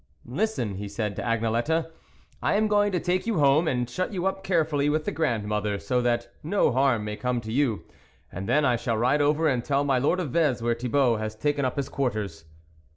" Listen," he said to Agnelette, " I am going to take you home and shut you up carefully with the grandmother, so that no harm may come to you ; and then I shall ride over and tell my lord of Vez where Thibault has taken up his quarters."